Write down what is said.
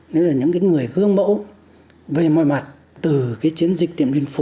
đấy là những cái người gương mẫu về mọi mặt từ cái chiến dịch điện bên phủ